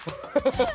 ハハハハ！